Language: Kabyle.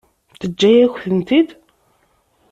Teǧǧa-yak-tent-id?